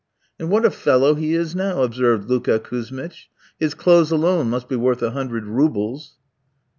"And what a fellow he is now!" observed Luka Kouzmitch. "His clothes alone must be worth a hundred roubles."